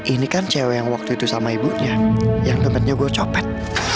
ini kan cewek yang waktu itu sama ibunya yang dapatnya gue copet